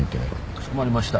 かしこまりました。